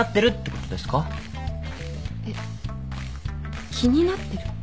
えっ気になってる？